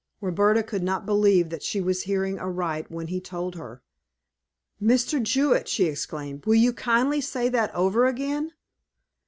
Roberta could not believe that she was hearing aright when he told her. "Mr. Jewett," she exclaimed, "will you kindly say that over again?"